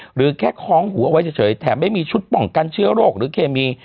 หรือแค่คล้องหัวเอาไว้เฉยแถมไม่มีชุดป้องกันเชื้อโรคหรือเคมี